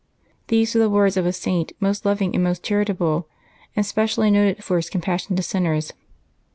These were the words of a Saint most loving and most char itable, and specially noted for his compassion to sinners.